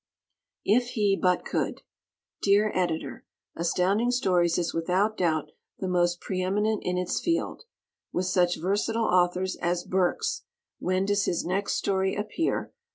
If He But Could! Dear Editor: Astounding Stories is without doubt the most preeminent in its field. With such versatile authors as Burks (When does his next story appear?)